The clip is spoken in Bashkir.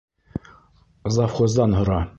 Завхоздан һора!